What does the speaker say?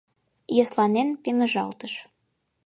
Йӧсланен пеҥыжалтыш.